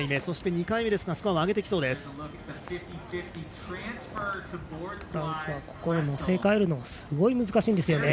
そして２回目でスコアを上げてきそうです。